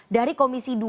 dari komisi dua